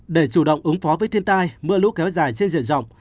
để chủ động ứng phó với thiên tai mưa lũ kéo dài trên diện rộng